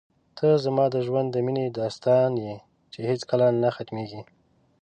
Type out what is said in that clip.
ته زما د ژوند د مینې داستان یې چې هېڅکله نه ختمېږي.